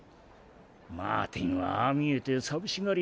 マーティンはああみえてさびしがりやだ。